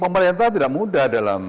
pemerintahan tidak mudah dalam